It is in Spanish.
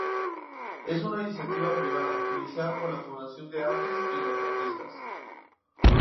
Es una iniciativa privada, iniciada por la Fundación de las Artes y los Artistas.